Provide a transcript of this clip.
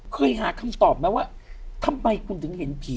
เคยหาคำตอบไหมว่าทำไมคุณถึงเห็นผี